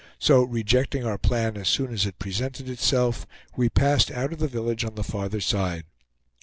So rejecting our plan as soon as it presented itself, we passed out of the village on the farther side.